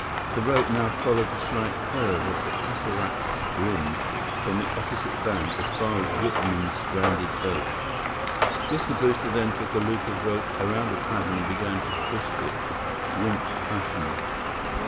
The rope now followed the slight curve of the cataract's brim from the opposite bank as far as Whitman's stranded boat. Mr. Brewster then took a loop of rope around a paddle and began to twist it, winch fashion.